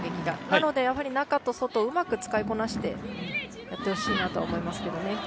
なので中と外をうまく使いこなしてやってほしいなと思いますけどね。